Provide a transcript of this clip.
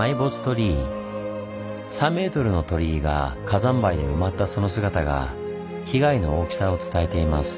３メートルの鳥居が火山灰で埋まったその姿が被害の大きさを伝えています。